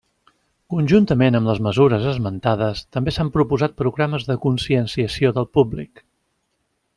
Conjuntament amb les mesures esmentades, també s'han proposat programes de conscienciació del públic.